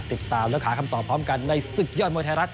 ติดตามและหาคำตอบพร้อมกันในศึกยอดมวยไทยรัฐ